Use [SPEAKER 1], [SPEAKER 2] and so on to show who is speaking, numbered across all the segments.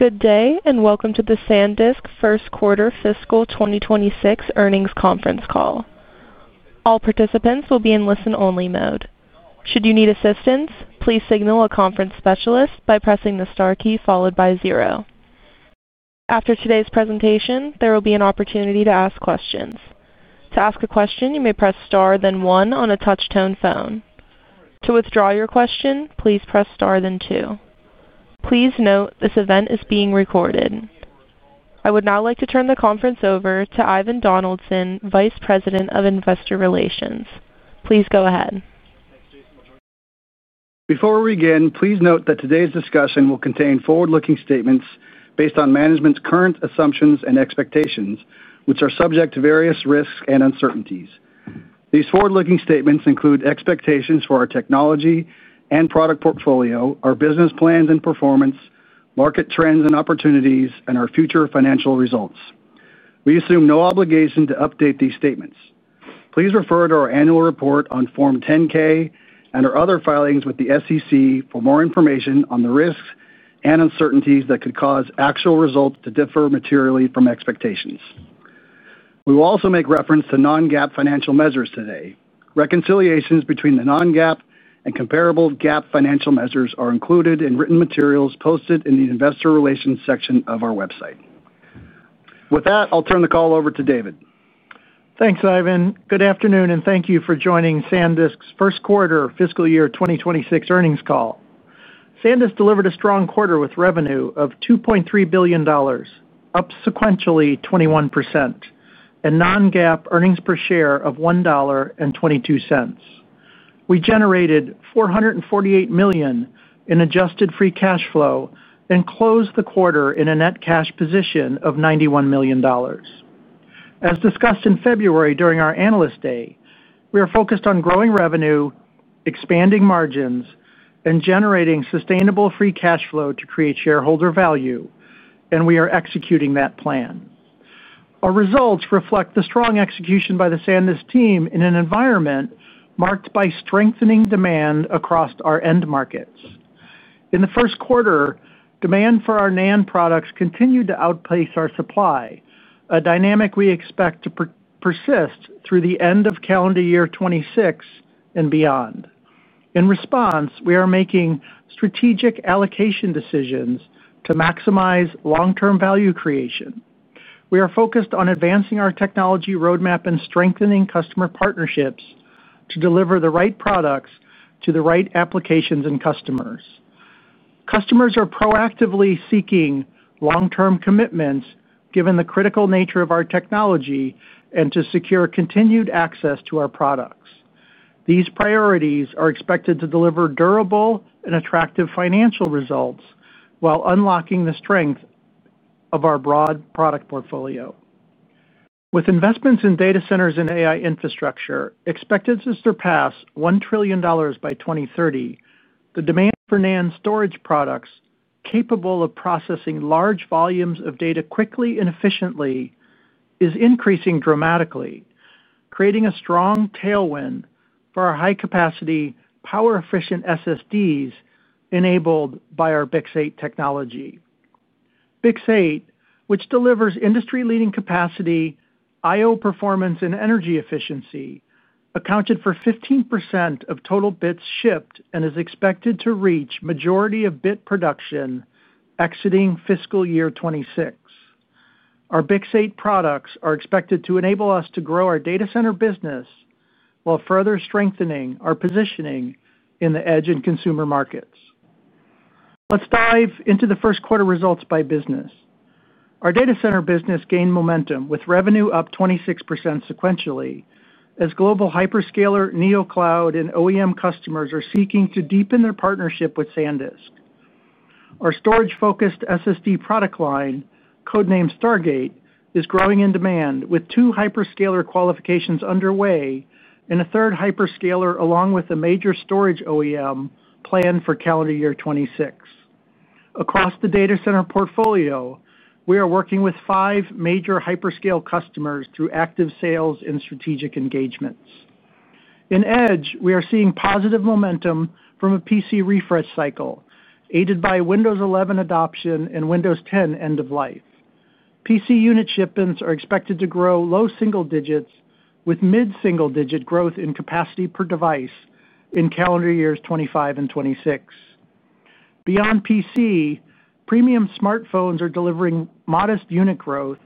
[SPEAKER 1] Good day and welcome to the Sandisk First Quarter Fiscal 2026 earnings conference call. All participants will be in listen-only mode. Should you need assistance, please signal a conference specialist by pressing the star key followed by zero. After today's presentation, there will be an opportunity to ask questions. To ask a question, you may press star then one on a touch-tone phone. To withdraw your question, please press star then two. Please note this event is being recorded. I would now like to turn the conference over to Ivan Donaldson, Vice President of Investor Relations. Please go ahead.
[SPEAKER 2] Before we begin, please note that today's discussion will contain forward-looking statements based on management's current assumptions and expectations, which are subject to various risks and uncertainties. These forward-looking statements include expectations for our technology and product portfolio, our business plans and performance, market trends and opportunities, and our future financial results. We assume no obligation to update these statements. Please refer to our annual report on Form 10-K and our other filings with the SEC for more information on the risks and uncertainties that could cause actual results to differ materially from expectations. We will also make reference to non-GAAP financial measures today. Reconciliations between the non-GAAP and comparable GAAP financial measures are included in written materials posted in the Investor Relations section of our website. With that, I'll turn the call over to David.
[SPEAKER 3] Thanks, Ivan. Good afternoon, and thank you for joining Sandisk's First Quarter Fiscal Year 2026 earnings call. Sandisk delivered a strong quarter with revenue of $2.3 billion, up sequentially 21%, and non-GAAP earnings per share of $1.22. We generated $448 million in adjusted free cash flow and closed the quarter in a net cash position of $91 million. As discussed in February during our analyst day, we are focused on growing revenue, expanding margins, and generating sustainable free cash flow to create shareholder value, and we are executing that plan. Our results reflect the strong execution by the Sandisk team in an environment marked by strengthening demand across our end markets. In the first quarter, demand for our NAND products continued to outpace our supply, a dynamic we expect to persist through the end of calendar year 2026 and beyond. In response, we are making strategic allocation decisions to maximize long-term value creation. We are focused on advancing our Technology Roadmap and strengthening Customer Partnerships to deliver the right products to the right applications and customers. Customers are proactively seeking long-term commitments given the critical nature of our technology and to secure continued access to our products. These priorities are expected to deliver durable and attractive financial results while unlocking the strength of our broad product portfolio. With investments in data centers and AI infrastructure expected to surpass $1 trillion by 2030, the demand for NAND storage products capable of processing large volumes of data quickly and efficiently is increasing dramatically, creating a strong tailwind for our high-capacity, power-efficient SSDs enabled by our BiCS8 technology. BiCS8 which delivers industry-leading capacity, I/O performance, and energy efficiency, accounted for 15% of total bits shipped and is expected to reach majority of bit production exiting fiscal year 2026. Our BiCS8 products are expected to enable us to grow our Data Center Business while further strengthening our positioning in the edge and consumer markets. Let's dive into the first quarter results by business. Our Data Center Business gained momentum with revenue up 26% sequentially as Global Hyperscaler, Neocloud, and OEM customers are seeking to deepen their partnership with Sandisk. Our storage-focused SSD product line, code-named Stargate, is growing in demand with two hyperscaler qualifications underway and a third hyperscaler along with a major storage OEM planned for calendar year 2026. Across the data center portfolio, we are working with five major hyperscale customers through active sales and strategic engagements. In edge, we are seeing positive momentum from a PC refresh cycle aided by Windows 11 adoption and Windows 10 end-of-life. PC unit shipments are expected to grow low-single-digits with mid-single-digit growth in capacity per device in calendar years 2025 and 2026. Beyond PC, Premium Smartphones are delivering modest unit growth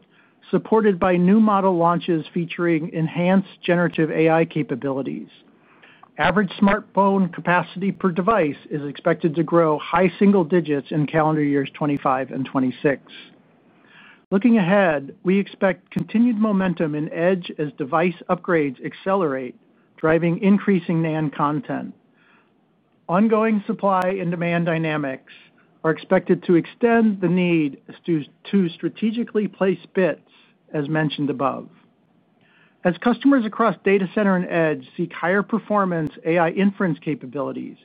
[SPEAKER 3] supported by new model launches featuring enhanced Generative AI capabilities. Average smartphone capacity per device is expected to grow high-single-digits in calendar years 2025 and 2026. Looking ahead, we expect continued momentum in Edge as device upgrades accelerate, driving increasing NAND content. Ongoing supply and demand dynamics are expected to extend the need to strategically place bits as mentioned above. As customers across data center and edge seek higher performance AI inference capabilities,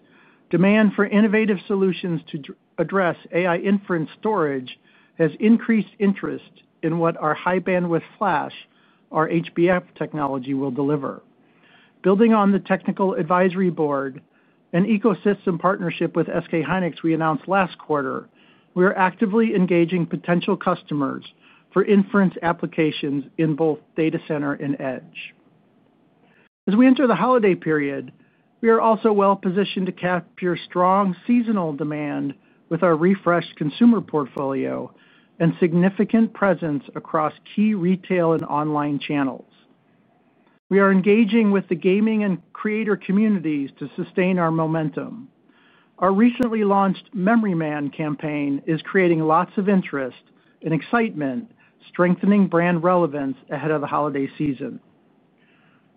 [SPEAKER 3] demand for innovative solutions to address AI inference storage has increased interest in what our high-bandwidth flash, our HBF technology, will deliver. Building on the technical advisory board and ecosystem partnership with SK hynix we announced last quarter, we are actively engaging potential customers for inference applications in both data center and edge. As we enter the holiday period, we are also well-positioned to capture strong seasonal demand with our refreshed consumer portfolio and significant presence across key retail and online channels. We are engaging with the gaming and creator communities to sustain our momentum. Our recently launched Memory Man campaign is creating lots of interest and excitement, strengthening brand relevance ahead of the holiday season.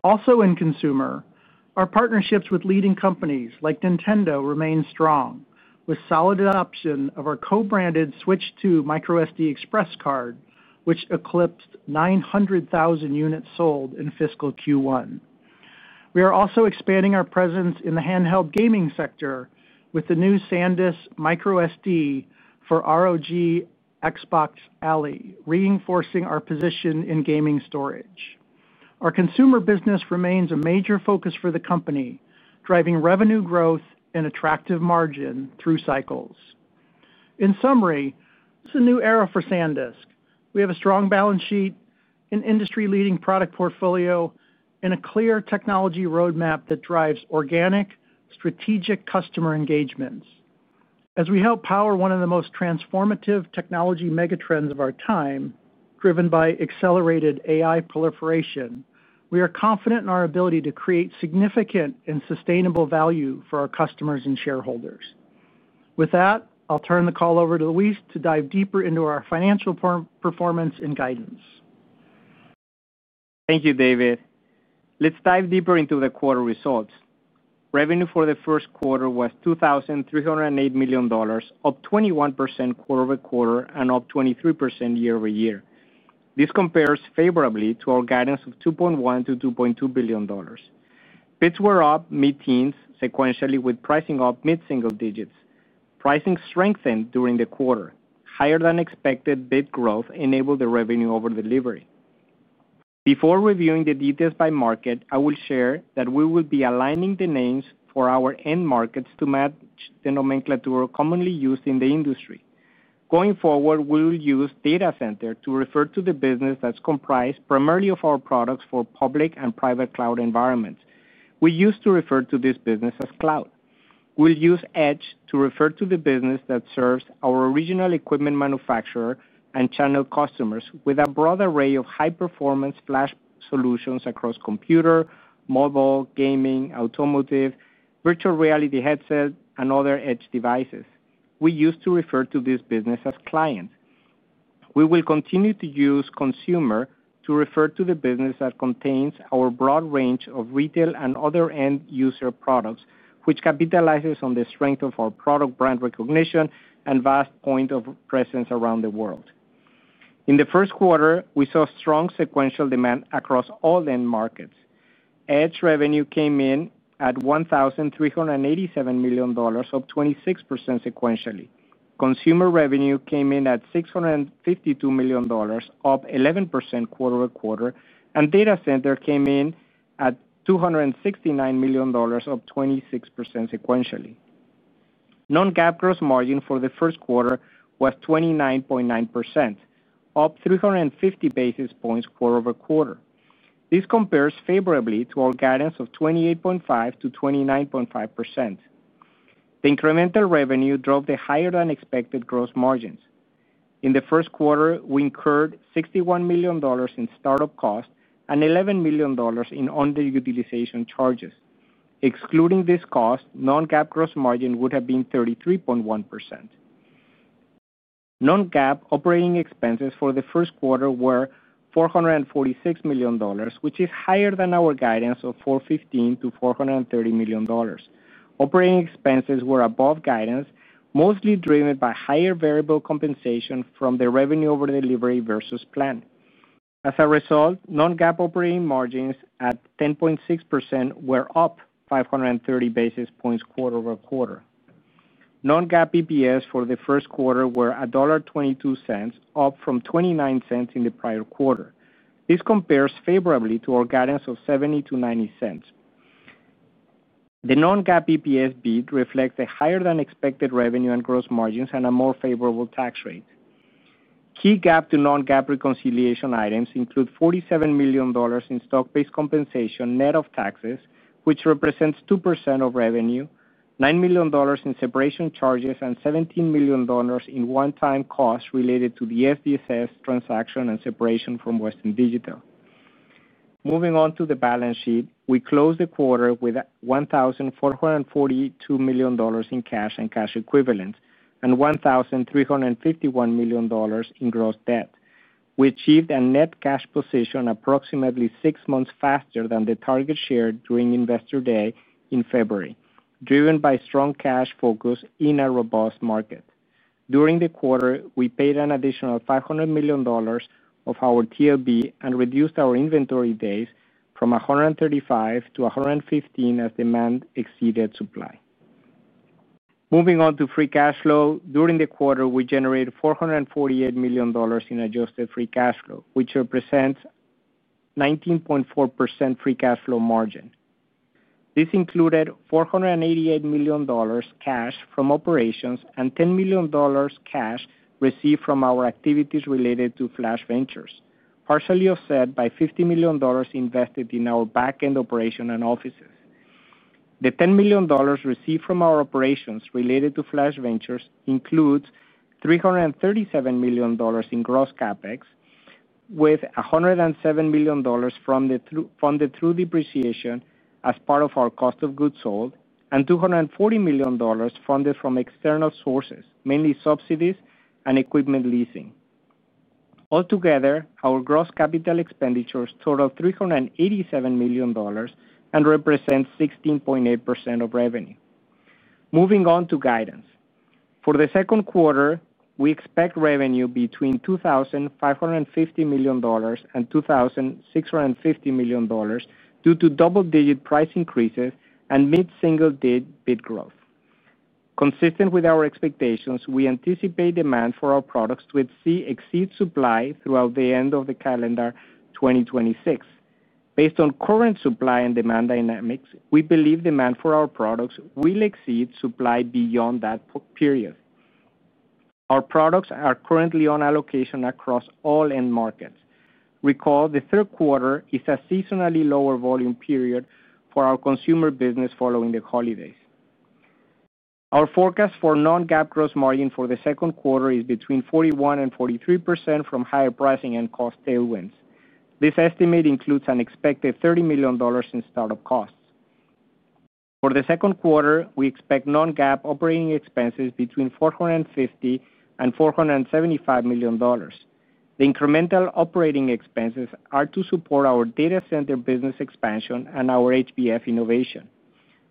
[SPEAKER 3] Also in consumer, our partnerships with leading companies like Nintendo remain strong with solid adoption of our co-branded Switch 2 microSD Express Card, which eclipsed 900,000 units sold in fiscal Q1. We are also expanding our presence in the handheld gaming sector with the new Sandisk microSD for ROG Xbox Ally, reinforcing our position in gaming storage. Our consumer business remains a major focus for the company, driving revenue growth and attractive margin through cycles. In summary, this is a new era for Sandisk. We have a strong balance sheet, an industry-leading product portfolio, and a clear technology roadmap that drives organic, strategic customer engagements. As we help power one of the most transformative technology megatrends of our time, driven by accelerated AI proliferation, we are confident in our ability to create significant and sustainable value for our customers and shareholders. With that, I'll turn the call over to Luis to dive deeper into our financial performance and guidance.
[SPEAKER 4] Thank you, David. Let's dive deeper into the quarter results. Revenue for the first quarter was $2,308 million, up 21% quarter-over-quarter and up 23% year-over-year. This compares favorably to our guidance of $2.1 billion-$2.2 billion. Bids were up mid-teens sequentially with pricing up mid-single-digits. Pricing strengthened during the quarter. Higher-than-expected bid growth enabled the revenue over delivery. Before reviewing the details by market, I will share that we will be aligning the names for our end markets to match the nomenclature commonly used in the industry. Going forward, we will use data center to refer to the business that's comprised primarily of our products for public and private cloud environments. We used to refer to this business as cloud. We'll use edge to refer to the business that serves our original equipment manufacturer and channel customers with a broad array of high-performance flash solutions across computer, mobile, gaming, automotive, virtual reality headset, and other edge devices. We used to refer to this business as client. We will continue to use consumer to refer to the business that contains our broad range of retail and other end-user products, which capitalizes on the strength of our product brand recognition and vast point of presence around the world. In the first quarter, we saw strong sequential demand across all end markets. Edge revenue came in at $1,387 million, up 26% sequentially. Consumer revenue came in at $652 million, up 11% quarter-over-quarter, and data center came in at $269 million, up 26% sequentially. Non-GAAP gross margin for the first quarter was 29.9%, up 350 basis points quarter-over-quarter. This compares favorably to our guidance of 28.5-29.5%. The incremental revenue drove the higher-than-expected gross margins. In the first quarter, we incurred $61 million in startup cost and $11 million in underutilization charges. Excluding this cost, non-GAAP gross margin would have been 33.1%. Non-GAAP operating expenses for the first quarter were $446 million, which is higher than our guidance of $415-$430 million. Operating expenses were above guidance, mostly driven by higher variable compensation from the revenue over delivery versus plan. As a result, non-GAAP operating margins at 10.6% were up 530 basis points quarter-over-quarter. Non-GAAP EPS for the first quarter were $1.22, up from $0.29 in the prior quarter. This compares favorably to our guidance of $0.70-$0.90. The non-GAAP EPS bid reflects a higher-than-expected revenue and gross margins and a more favorable tax rate. Key GAAP to non-GAAP reconciliation items include $47 million in stock-based compensation net of taxes, which represents 2% of revenue, $9 million in separation charges, and $17 million in one-time costs related to the SDSS transaction and separation from Western Digital. Moving on to the balance sheet, we closed the quarter with $1,442 million in cash and cash equivalents and $1,351 million in gross debt. We achieved a net cash position approximately six months faster than the target shared during investor day in February, driven by strong cash focus in a robust market. During the quarter, we paid an additional $500 million of our TOB and reduced our inventory days from 135 to 115 as demand exceeded supply. Moving on to free cash flow, during the quarter, we generated $448 million in adjusted free cash flow, which represents 19.4% free cash flow margin. This included $488 million. Cash from operations and $10 million cash received from our activities related to flash ventures, partially offset by $50 million invested in our back-end operation and offices. The $10 million received from our operations related to flash ventures includes $337 million in gross CapEx, with $107 million funded through depreciation as part of our cost of goods sold, and $240 million funded from external sources, mainly subsidies and equipment leasing. Altogether, our gross capital expenditures total $387 million and represent 16.8% of revenue. Moving on to guidance. For the second quarter, we expect revenue between $2,550 million and $2,650 million due to double-digit price increases and mid-single-digit bid growth. Consistent with our expectations, we anticipate demand for our products to exceed supply throughout the end of the calendar 2026. Based on current supply and demand dynamics, we believe demand for our products will exceed supply beyond that period. Our products are currently on allocation across all end markets. Recall, the third quarter is a seasonally lower volume period for our consumer business following the holidays. Our forecast for non-GAAP gross margin for the second quarter is between 41% and 43% from higher pricing and cost tailwinds. This estimate includes an expected $30 million in startup costs. For the second quarter, we expect non-GAAP operating expenses between $450 million and $475 million. The incremental operating expenses are to support our data center business expansion and our HBF Innovation.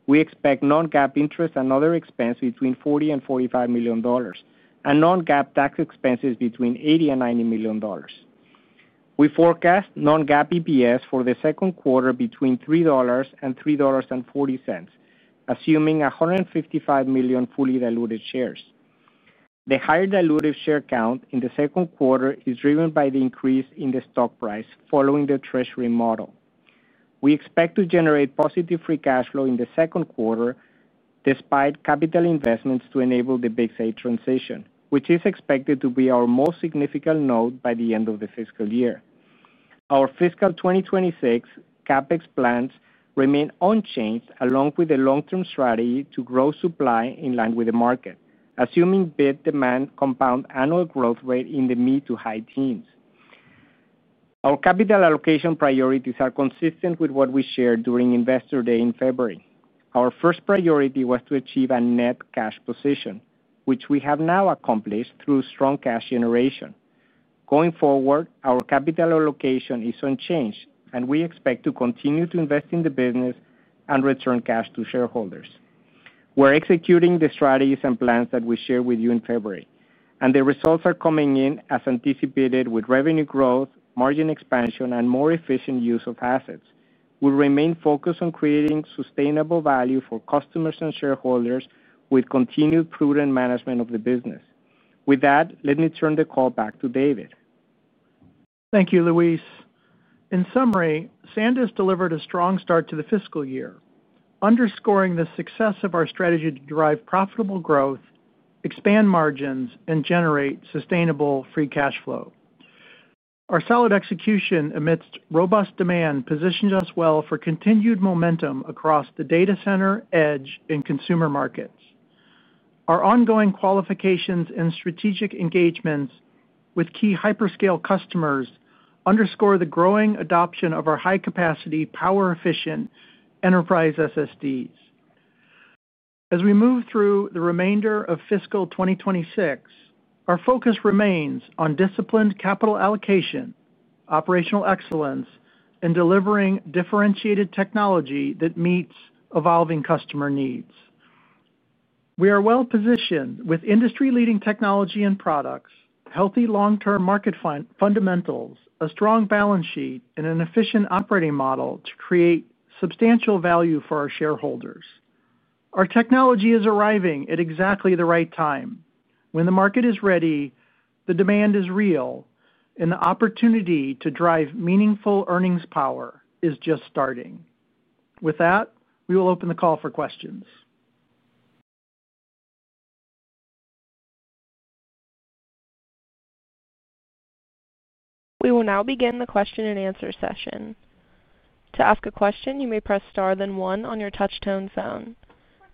[SPEAKER 4] We expect non-GAAP interest and other expenses between $40 million and $45 million, and non-GAAP tax expenses between $80 million and $90 million. We forecast non-GAAP EPS for the second quarter between $3 and $3.40, assuming 155 million fully diluted shares. The higher diluted share count in the second quarter is driven by the increase in the stock price following the treasury model. We expect to generate positive free cash flow in the second quarter despite capital investments to enable the Big Sage transition, which is expected to be our most significant note by the end of the fiscal year. Our fiscal 2026 CapEx plans remain unchanged along with the long-term strategy to grow supply in line with the market, assuming bit-demand compound annual growth rate in the mid to high teens. Our capital allocation priorities are consistent with what we shared during investor day in February. Our first priority was to achieve a net cash position, which we have now accomplished through strong cash generation. Going forward, our capital allocation is unchanged, and we expect to continue to invest in the business and return cash to shareholders. We're executing the strategies and plans that we shared with you in February, and the results are coming in as anticipated with revenue growth, margin expansion, and more efficient use of assets. We remain focused on creating sustainable value for customers and shareholders with continued prudent management of the business. With that, let me turn the call back to David.
[SPEAKER 3] Thank you, Luis. In summary, Sandisk delivered a strong start to the fiscal year, underscoring the success of our strategy to drive profitable growth, expand margins, and generate sustainable free cash flow. Our solid execution amidst robust demand positions us well for continued momentum across the data center, edge, and consumer markets. Our ongoing qualifications and strategic engagements with key hyperscale customers underscore the growing adoption of our high-capacity, power-efficient enterprise SSDs. As we move through the remainder of fiscal 2026, our focus remains on disciplined capital allocation, operational excellence, and delivering differentiated technology that meets evolving customer needs. We are well-positioned with industry-leading technology and products, healthy long-term market fundamentals, a strong balance sheet, and an efficient operating model to create substantial value for our shareholders. Our technology is arriving at exactly the right time. When the market is ready, the demand is real, and the opportunity to drive meaningful earnings power is just starting. With that, we will open the call for questions.
[SPEAKER 1] We will now begin the question and answer session. To ask a question, you may press star then one on your touch-tone phone.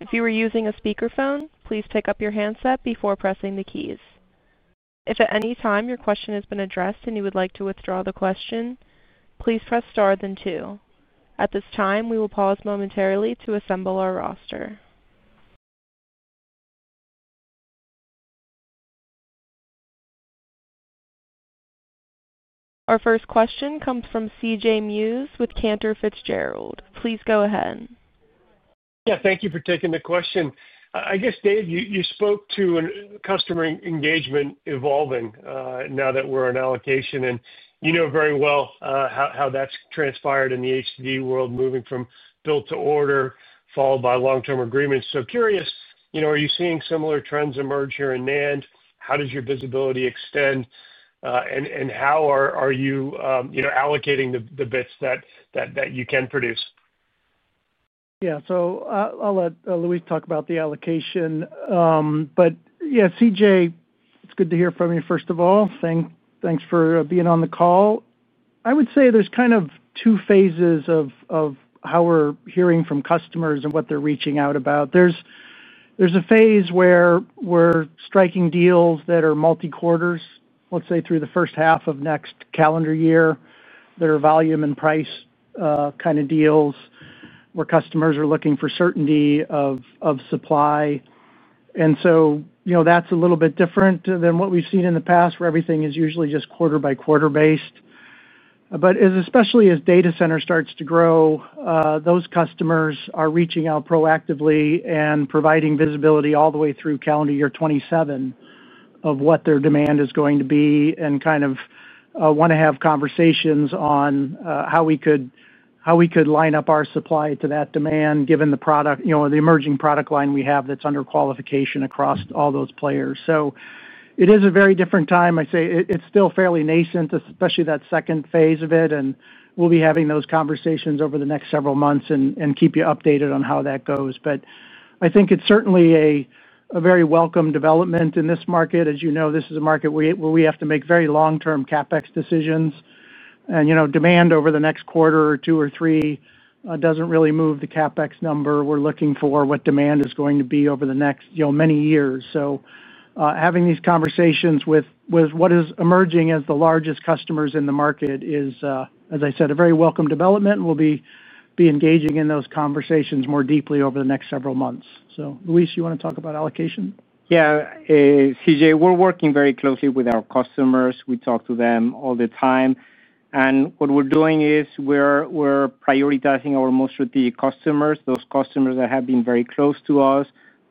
[SPEAKER 1] If you are using a speakerphone, please pick up your handset before pressing the keys. If at any time your question has been addressed and you would like to withdraw the question, please press star then two. At this time, we will pause momentarily to assemble our roster. Our first question comes from C.J. Muse with Cantor Fitzgerald. Please go ahead.
[SPEAKER 5] Yeah, thank you for taking the question. I guess, David, you spoke to customer engagement evolving now that we're in allocation, and you know very well how that's transpired in the HD world, moving from build to order, followed by long-term agreements. Curious, are you seeing similar trends emerge here in NAND? How does your visibility extend? How are you allocating the bits that you can produce?
[SPEAKER 3] Yeah, so I'll let Luis talk about the allocation. Yeah, C.J., it's good to hear from you, first of all. Thanks for being on the call. I would say there's kind of two phases of how we're hearing from customers and what they're reaching out about. There's a phase where we're striking deals that are multi-quarters, let's say through the first half of next calendar year. There are volume and price kind of deals where customers are looking for certainty of supply. That's a little bit different than what we've seen in the past, where everything is usually just quarter-by-quarter based. Especially as Data Center starts to grow, those customers are reaching out proactively and providing visibility all the way through calendar year 2027 of what their demand is going to be and kind of want to have conversations on how we could. Line up our supply to that demand, given the emerging product line we have that's under qualification across all those players. It is a very different time. I say it's still fairly nascent, especially that second phase of it. We will be having those conversations over the next several months and keep you updated on how that goes. I think it's certainly a very welcome development in this market. As you know, this is a market where we have to make very long-term CapEx decisions. Demand over the next quarter or two or three doesn't really move the CapEx number we're looking for, what demand is going to be over the next many years. Having these conversations with what is emerging as the largest customers in the market is, as I said, a very welcome development. We'll be engaging in those conversations more deeply over the next several months. Luis, you want to talk about allocation?
[SPEAKER 4] Yeah. C.J., we're working very closely with our customers. We talk to them all the time. What we're doing is we're prioritizing our most strategic customers, those customers that have been very close to us,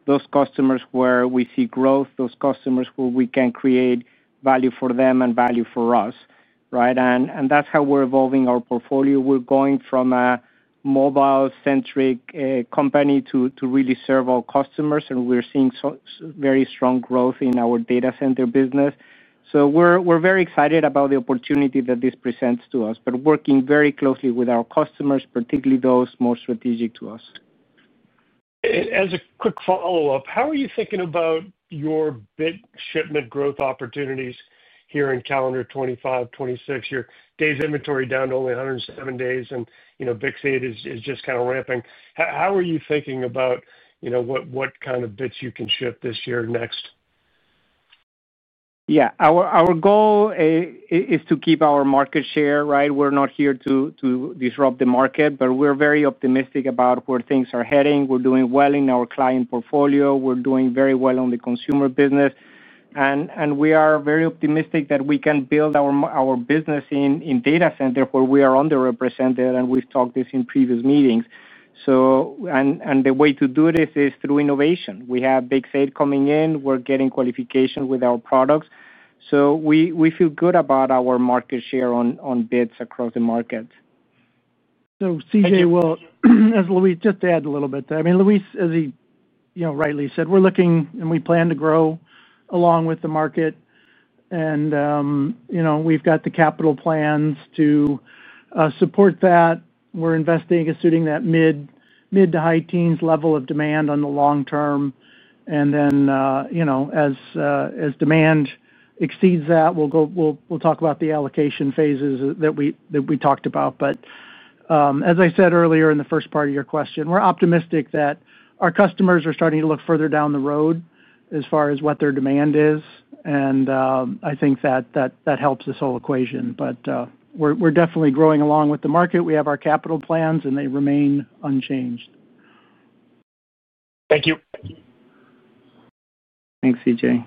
[SPEAKER 4] those customers where we see growth, those customers where we can create value for them and value for us. That's how we're evolving our portfolio. We're going from a mobile-centric company to really serve our customers. We're seeing very strong growth in our Data Center Business. We are very excited about the opportunity that this presents to us, working very closely with our customers, particularly those more strategic to us.
[SPEAKER 5] As a quick follow-up, how are you thinking about your bit shipment growth opportunities here in calendar 2025, 2026? Dave's inventory down to only 107 days, and Big Sage is just kind of ramping. How are you thinking about what kind of bits you can ship this year and next?
[SPEAKER 4] Yeah. Our goal is to keep our market share. We're not here to disrupt the market, but we're very optimistic about where things are heading. We're doing well in our client portfolio. We're doing very well in the consumer business. We are very optimistic that we can build our business in data center where we are underrepresented, and we've talked this in previous meetings. The way to do this is through innovation. We have BiCS8 coming in. We're getting qualification with our products. We feel good about our market share on bids across the market.
[SPEAKER 3] C.J., as Luis just adds a little bit there, Luis as he rightly said, we're looking and we plan to grow along with the market. We have got the capital plans to support that. We're investing and suiting that mid to high teens level of demand on the long term. As demand exceeds that, we'll talk about the allocation phases that we talked about. As I said earlier in the first part of your question, we're optimistic that our customers are starting to look further down the road as far as what their demand is. I think that helps this whole equation. We're definitely growing along with the market. We have our capital plans, and they remain unchanged.
[SPEAKER 5] Thank you.
[SPEAKER 4] Thanks, C.J.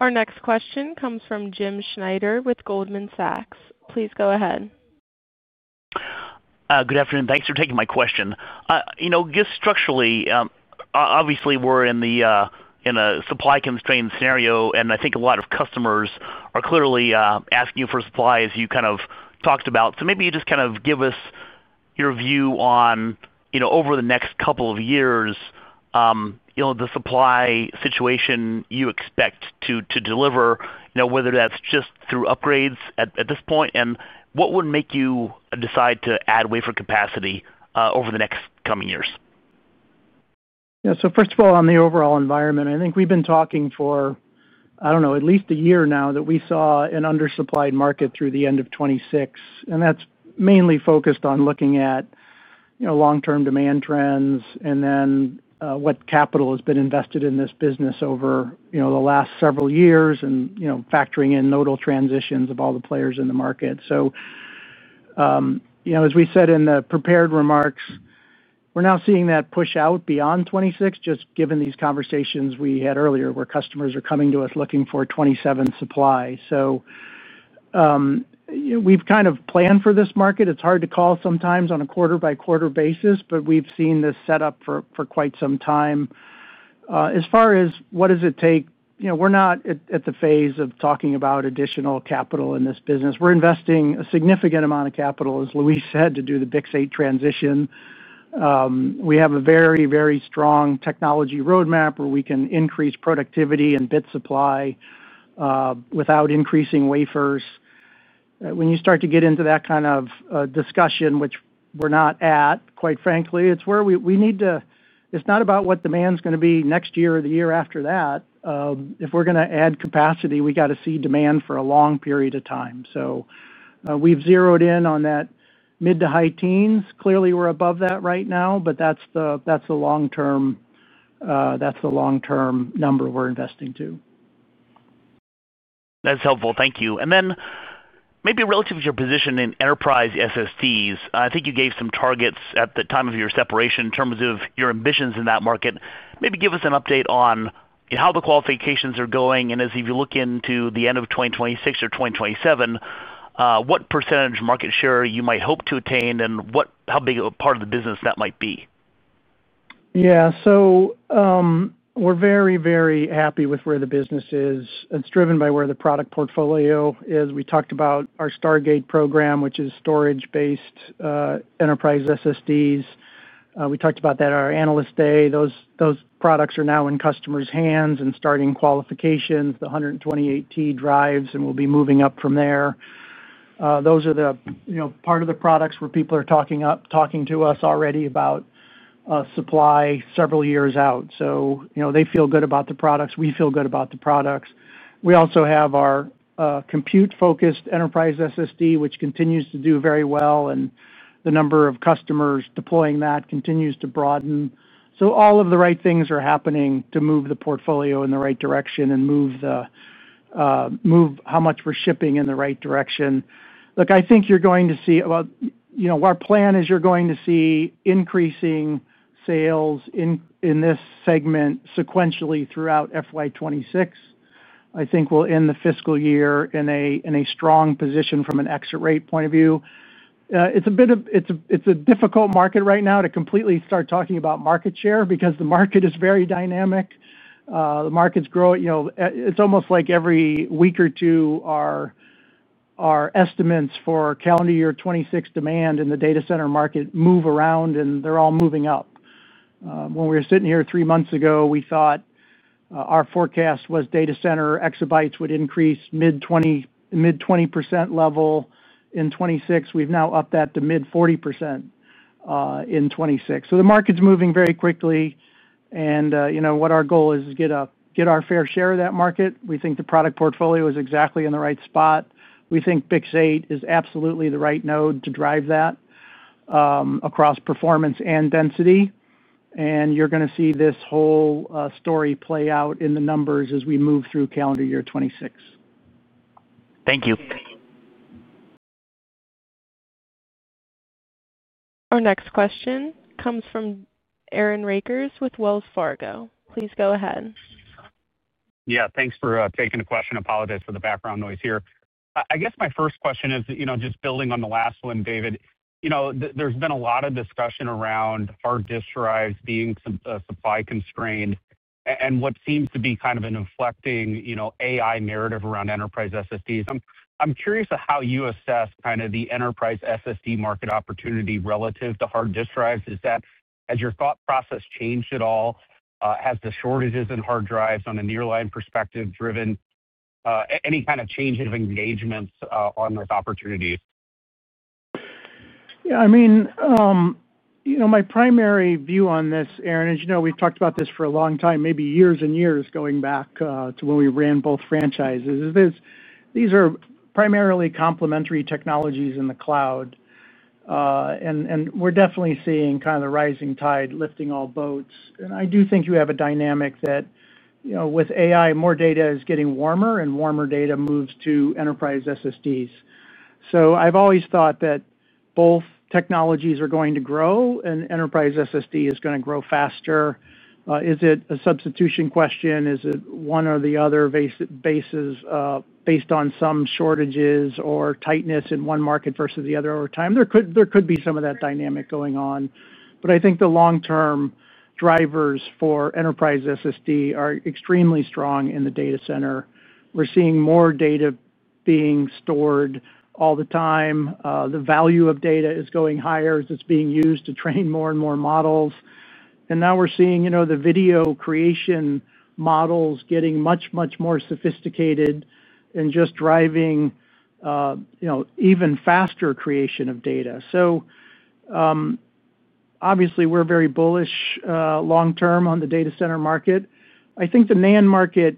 [SPEAKER 1] Our next question comes from Jim Schneider with Goldman Sachs. Please go ahead.
[SPEAKER 6] Good afternoon. Thanks for taking my question. Just structurally, obviously, we're in a supply constrained scenario, and I think a lot of customers are clearly asking you for supply, as you kind of talked about. Maybe you just kind of give us your view on, over the next couple of years, the supply situation you expect to deliver, whether that's just through upgrades at this point, and what would make you decide to add wafer capacity over the next coming years?
[SPEAKER 3] Yeah. First of all, on the overall environment, I think we've been talking for, I don't know, at least a year now that we saw an undersupplied market through the end of 2026. That's mainly focused on looking at long-term demand trends and then what capital has been invested in this business over the last several years and factoring in nodal transitions of all the players in the market. As we said in the prepared remarks, we're now seeing that push out beyond 2026, just given these conversations we had earlier where customers are coming to us looking for 2027 supply. We've kind of planned for this market. It's hard to call sometimes on a quarter-by-quarter basis, but we've seen this setup for quite some time. As far as what does it take, we're not at the phase of talking about additional capital in this business. We're investing a significant amount of capital, as Luis said, to do the Big Sage transition. We have a very, very strong Technology Roadmap where we can increase productivity and bit supply without increasing wafers. When you start to get into that kind of discussion, which we're not at, quite frankly, it's where we need to—it's not about what demand's going to be next year or the year after that. If we're going to add capacity, we got to see demand for a long period of time. We've zeroed in on that mid to high teens. Clearly, we're above that right now, but that's the long-term number we're investing to.
[SPEAKER 6] That's helpful. Thank you. Maybe relative to your position in enterprise SSDs, I think you gave some targets at the time of your separation in terms of your ambitions in that market. Maybe give us an update on how the qualifications are going. As you look into the end of 2026 or 2027, what percentage market share you might hope to attain and how big a part of the business that might be?
[SPEAKER 3] Yeah. We're very, very happy with where the business is. It's driven by where the product portfolio is. We talked about our Stargate program, which is storage-based enterprise SSDs. We talked about that at our analyst day. Those products are now in customers' hands and starting qualifications, the 128T drives, and we'll be moving up from there. Those are the part of the products where people are talking to us already about supply several years out. They feel good about the products. We feel good about the products. We also have our compute-focused enterprise SSD, which continues to do very well. The number of customers deploying that continues to broaden. All of the right things are happening to move the portfolio in the right direction and move how much we're shipping in the right direction. Look, I think you're going to see—our plan is you're going to see increasing sales in this segment sequentially throughout FY 2026. I think we'll end the fiscal year in a strong position from an exit rate point of view. It's a difficult market right now to completely start talking about market share because the market is very dynamic. The market's growing. It's almost like every week or two, our estimates for calendar year 2026 demand in the data center market move around, and they're all moving up. When we were sitting here three months ago, we thought our forecast was data center exabytes would increase mid-20% level in 2026. We've now upped that to mid-40% in 2026. The market's moving very quickly. What our goal is is get our fair share of that market. We think the product portfolio is exactly in the right spot. We think Big Sage is absolutely the right node to drive that. Across performance and density. You're going to see this whole story play out in the numbers as we move through calendar year 2026.
[SPEAKER 6] Thank you.
[SPEAKER 1] Our next question comes from Aaron Rakers with Wells Fargo. Please go ahead.
[SPEAKER 7] Yeah. Thanks for taking the question. Apologize for the background noise here. I guess my first question is just building on the last one, David. There's been a lot of discussion around hard disk drives being supply constrained and what seems to be kind of an inflecting AI narrative around enterprise SSDs. I'm curious how you assess kind of the enterprise SSD market opportunity relative to hard disk drives. Has your thought process changed at all? Has the shortages in hard drives, on a nearline perspective, driven any kind of change of engagements on those opportunities?
[SPEAKER 3] Yeah. I mean. My primary view on this, Aaron, as you know, we've talked about this for a long time, maybe years and years going back to when we ran both franchises. These are primarily complementary technologies in the cloud. We're definitely seeing kind of the rising tide lifting all boats. I do think you have a dynamic that with AI, more data is getting warmer, and warmer data moves to enterprise SSDs. I've always thought that both technologies are going to grow, and enterprise SSD is going to grow faster. Is it a substitution question? Is it one or the other based on some shortages or tightness in one market versus the other over time? There could be some of that dynamic going on. I think the long-term drivers for enterprise SSD are extremely strong in the data center. We're seeing more data being stored all the time. The value of data is going higher as it's being used to train more and more models. Now we're seeing the video creation models getting much, much more sophisticated and just driving even faster creation of data. Obviously, we're very bullish long-term on the data center market. I think the NAND market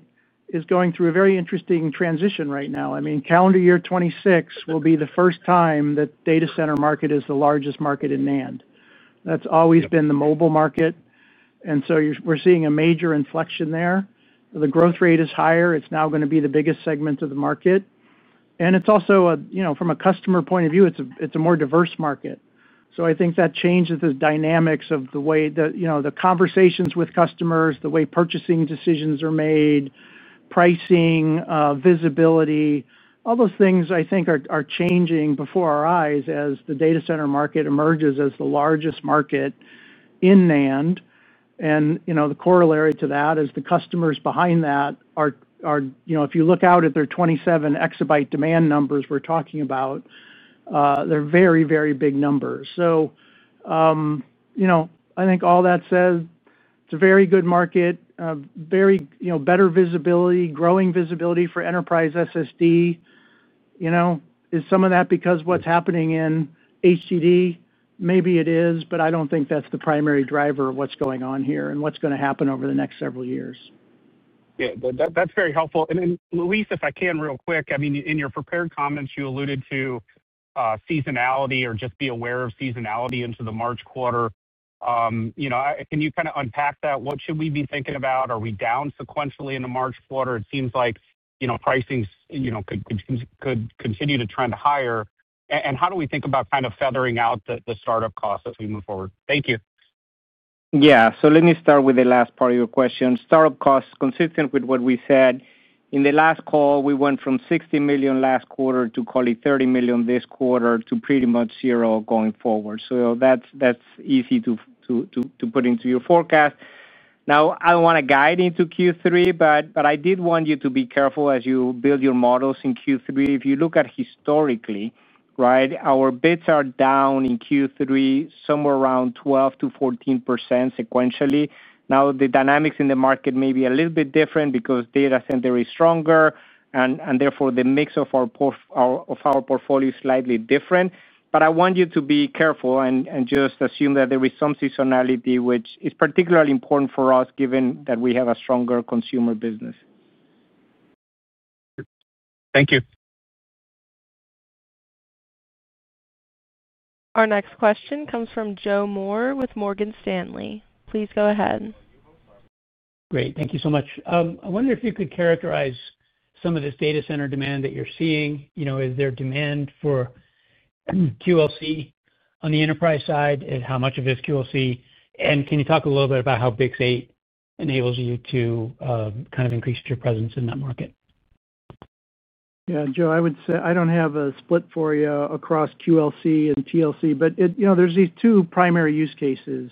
[SPEAKER 3] is going through a very interesting transition right now. I mean, calendar year 2026 will be the first time that data center market is the largest market in NAND. That's always been the mobile market. We're seeing a major inflection there. The growth rate is higher. It's now going to be the biggest segment of the market. It's also, from a customer point of view, a more diverse market. I think that changes the dynamics of the way that the conversations with customers, the way purchasing decisions are made, pricing, visibility, all those things, I think, are changing before our eyes as the data center market emerges as the largest market in NAND. The corollary to that is the customers behind that. If you look out at their 27 exabyte demand numbers we're talking about, they're very, very big numbers. I think all that said, it's a very good market. Better visibility, growing visibility for enterprise SSD. Is some of that because of what's happening in HCD? Maybe it is, but I don't think that's the primary driver of what's going on here and what's going to happen over the next several years.
[SPEAKER 7] Yeah. That's very helpful. And Luis, if I can real quick, I mean, in your prepared comments, you alluded to seasonality or just be aware of seasonality into the March quarter. Can you kind of unpack that? What should we be thinking about? Are we down sequentially in the March quarter? It seems like pricing could continue to trend higher. And how do we think about kind of feathering out the startup costs as we move forward? Thank you.
[SPEAKER 4] Yeah. Let me start with the last part of your question. Startup costs, consistent with what we said in the last call, we went from $60 million last quarter to, call it, $30 million this quarter to pretty much zero going forward. That is easy to put into your forecast. Now, I do not want to guide into Q3, but I did want you to be careful as you build your models in Q3. If you look at historically, our bids are down in Q3 somewhere around 12%-14% sequentially. The dynamics in the market may be a little bit different because data center is stronger, and therefore, the mix of our portfolio is slightly different. I want you to be careful and just assume that there is some seasonality, which is particularly important for us given that we have a stronger consumer business.
[SPEAKER 7] Thank you.
[SPEAKER 1] Our next question comes from Joe Moore with Morgan Stanley. Please go ahead.
[SPEAKER 8] Great. Thank you so much. I wonder if you could characterize some of this data center demand that you're seeing. Is there demand for QLC on the enterprise side? How much of it is QLC? And can you talk a little bit about how Big Sage enables you to kind of increase your presence in that market?
[SPEAKER 3] Yeah. Joe, I would say I don't have a split for you across QLC and TLC, but there's these two primary use cases,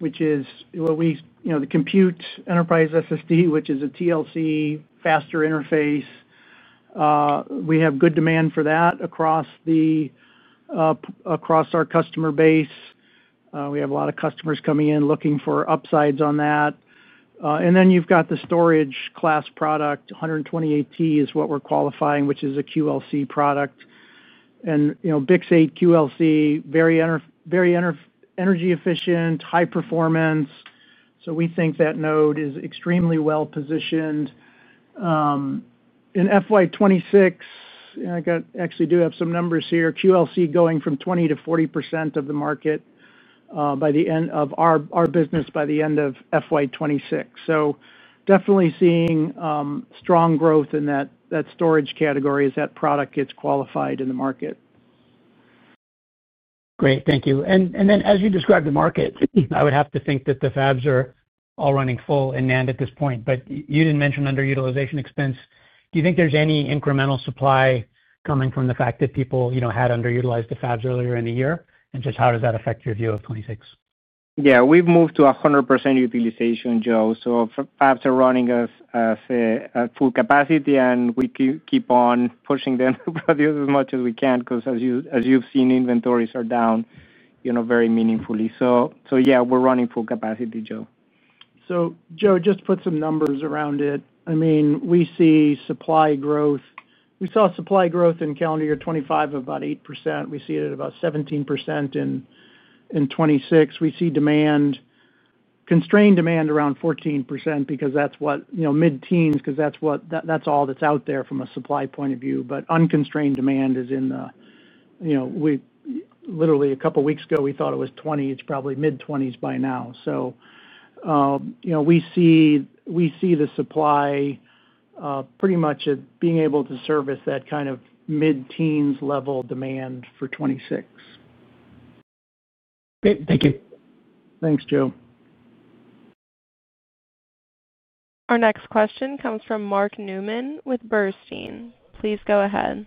[SPEAKER 3] which is the compute enterprise SSD, which is a TLC faster interface. We have good demand for that across our customer base. We have a lot of customers coming in looking for upsides on that. You have the storage class product. 128T is what we're qualifying, which is a QLC product. And Big Sage QLC, very energy efficient, high performance. We think that node is extremely well positioned. In FY 2026, I actually do have some numbers here, QLC going from 20%-40% of the market, our business by the end of FY 2026. Definitely seeing strong growth in that storage category as that product gets qualified in the market.
[SPEAKER 8] Great. Thank you. As you describe the market, I would have to think that the fabs are all running full in NAND at this point. You did not mention underutilization expense. Do you think there is any incremental supply coming from the fact that people had underutilized the fabs earlier in the year? How does that affect your view of 2026?
[SPEAKER 4] Yeah. We've moved to 100% utilization, Joe. So fabs are running at full capacity, and we keep on pushing them to produce as much as we can because, as you've seen, inventories are down. Very meaningfully. So yeah, we're running full capacity, Joe.
[SPEAKER 3] Joe, just put some numbers around it. I mean, we see supply growth. We saw supply growth in calendar year 2025 of about 8%. We see it at about 17% in 2026. We see constrained demand around 14% because that is what mid-teens, because that is all that is out there from a supply point of view. Unconstrained demand is in the—literally, a couple of weeks ago, we thought it was 20. It is probably mid-20s by now. We see the supply pretty much at being able to service that kind of mid-teens level demand for 2026.
[SPEAKER 8] Great. Thank you.
[SPEAKER 3] Thanks, Joe.
[SPEAKER 1] Our next question comes from Mark Newman with Bernstein. Please go ahead.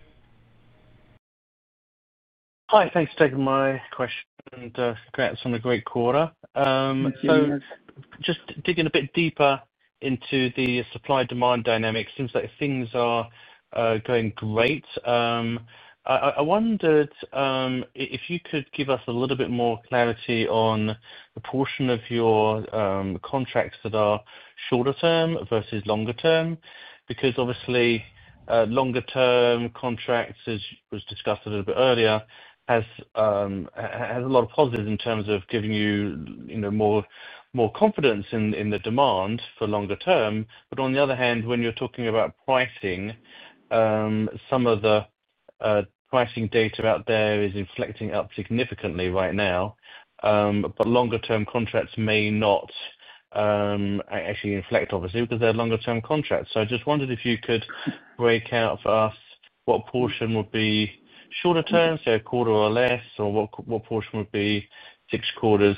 [SPEAKER 9] Hi. Thanks for taking my question and congrats on the great quarter.
[SPEAKER 3] Thank you.
[SPEAKER 9] Just digging a bit deeper into the supply-demand dynamic, it seems like things are going great. I wondered if you could give us a little bit more clarity on the portion of your contracts that are shorter-term versus longer-term, because, obviously, longer-term contracts, as was discussed a little bit earlier, have a lot of positives in terms of giving you more confidence in the demand for longer-term. On the other hand, when you're talking about pricing, some of the pricing data out there is inflecting up significantly right now. Longer-term contracts may not actually inflect, obviously, because they're longer-term contracts. I just wondered if you could break out for us what portion would be shorter-term, say a quarter or less, or what portion would be six quarters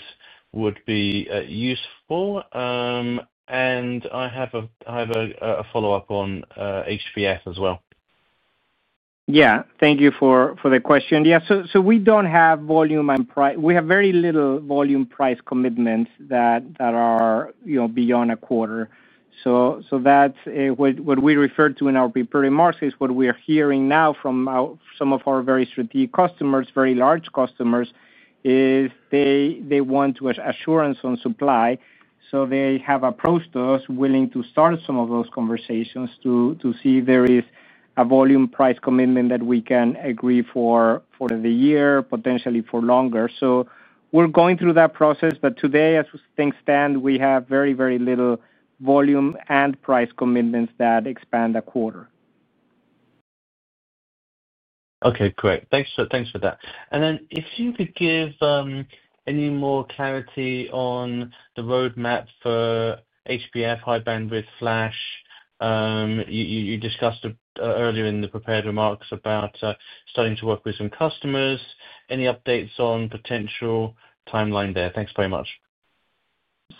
[SPEAKER 9] would be useful. I have a follow-up on HBF as well.
[SPEAKER 4] Yeah. Thank you for the question. Yeah. We do not have volume and price. We have very little volume price commitments that are beyond a quarter. That is what we refer to in our prepared markets. What we are hearing now from some of our very strategic customers, very large customers, is they want assurance on supply. They have approached us, willing to start some of those conversations to see if there is a volume price commitment that we can agree for the year, potentially for longer. We are going through that process. Today, as things stand, we have very, very little volume and price commitments that expand a quarter.
[SPEAKER 9] Okay. Great. Thanks for that. If you could give any more clarity on the roadmap for HBF, High Bandwidth Flash. You discussed earlier in the prepared remarks about starting to work with some customers. Any updates on potential timeline there? Thanks very much.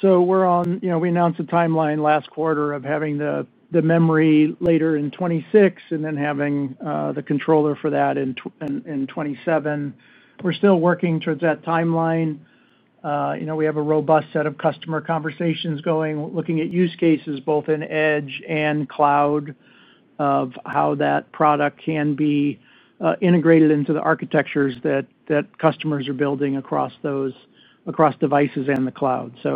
[SPEAKER 3] We announced a timeline last quarter of having the memory later in 2026 and then having the controller for that in 2027. We're still working towards that timeline. We have a robust set of customer conversations going, looking at use cases both in edge and cloud of how that product can be integrated into the architectures that customers are building across devices and the cloud. We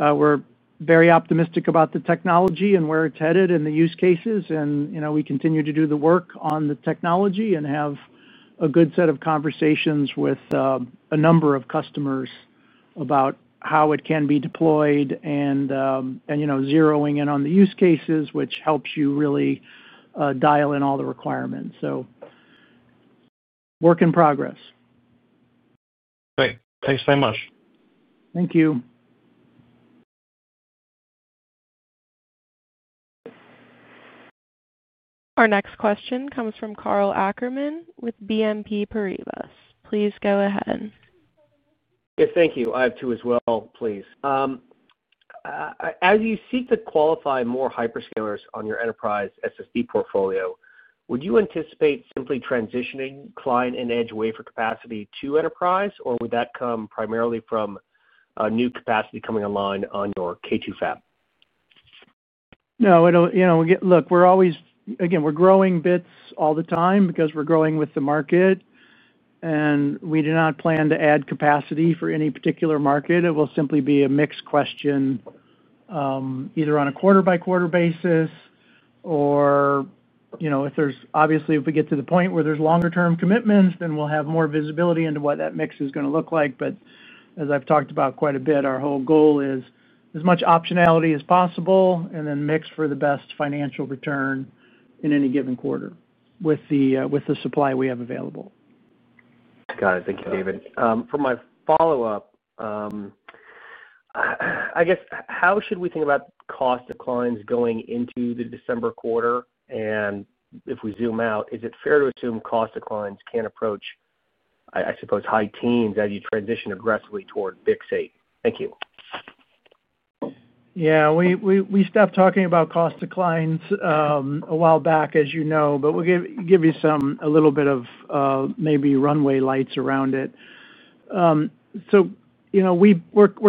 [SPEAKER 3] are very optimistic about the technology and where it's headed and the use cases. We continue to do the work on the technology and have a good set of conversations with a number of customers about how it can be deployed and zeroing in on the use cases, which helps you really dial in all the requirements. Work in progress.
[SPEAKER 9] Great. Thanks very much.
[SPEAKER 3] Thank you.
[SPEAKER 1] Our next question comes from Karl Ackerman with BNP Paribas. Please go ahead.
[SPEAKER 10] Yeah. Thank you. I have two as well, please. As you seek to qualify more hyperscalers on your enterprise SSD portfolio, would you anticipate simply transitioning client and edge wafer capacity to enterprise, or would that come primarily from new capacity coming online on your K2 Fab?
[SPEAKER 3] No. Look, we're always, again, we're growing bits all the time because we're growing with the market. We do not plan to add capacity for any particular market. It will simply be a mix question, either on a quarter-by-quarter basis or, if there's obviously, if we get to the point where there's longer-term commitments, then we'll have more visibility into what that mix is going to look like. As I've talked about quite a bit, our whole goal is as much optionality as possible and then mix for the best financial return in any given quarter with the supply we have available.
[SPEAKER 10] Got it. Thank you, David. For my follow-up. I guess, how should we think about cost declines going into the December quarter? If we zoom out, is it fair to assume cost declines can approach, I suppose, high teens as you transition aggressively toward BiCS8? Thank you.
[SPEAKER 3] Yeah. We stopped talking about cost declines a while back, as you know, but we'll give you a little bit of maybe runway lights around it. We're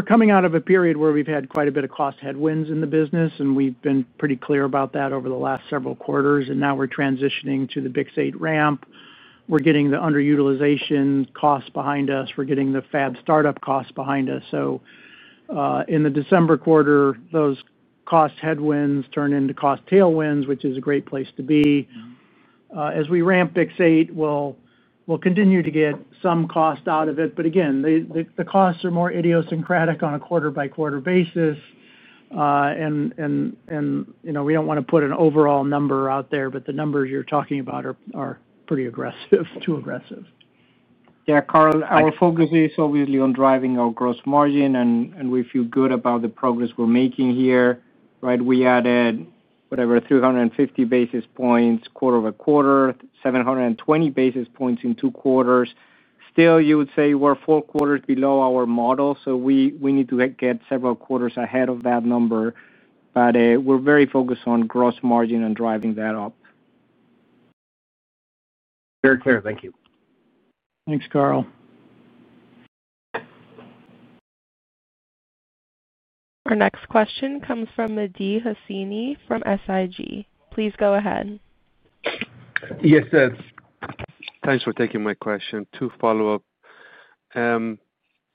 [SPEAKER 3] coming out of a period where we've had quite a bit of cost headwinds in the business, and we've been pretty clear about that over the last several quarters. Now we're transitioning to the Big Sage ramp. We're getting the underutilization costs behind us. We're getting the fab startup costs behind us. In the December quarter, those cost headwinds turn into cost tailwinds, which is a great place to be. As we ramp Big Sage, we'll continue to get some cost out of it. Again, the costs are more idiosyncratic on a quarter-by-quarter basis. We don't want to put an overall number out there, but the numbers you're talking about are pretty aggressive, too aggressive.
[SPEAKER 4] Yeah. Karl, our focus is obviously on driving our gross margin, and we feel good about the progress we're making here. We added, whatever, 350 basis points quarter-over-quarter, 720 basis points in two quarters. Still, you would say we're four quarters below our model. We need to get several quarters ahead of that number. We are very focused on gross margin and driving that up.
[SPEAKER 10] Very clear. Thank you.
[SPEAKER 3] Thanks, Karl.
[SPEAKER 1] Our next question comes from Mehdi Hosseini from SIG. Please go ahead.
[SPEAKER 11] Yes, sir. Thanks for taking my question. Two follow-up.